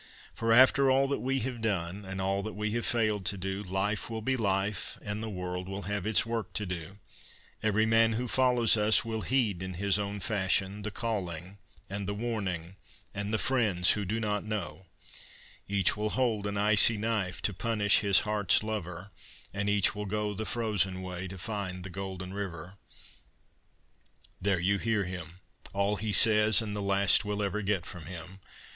"For after all that we have done and all that we have failed to do, Life will be life and the world will have its work to do: Every man who follows us will heed in his own fashion The calling and the warning and the friends who do not know: Each will hold an icy knife to punish his heart's lover, And each will go the frozen way to find the golden river." There you hear him, all he says, and the last we'll ever get from him.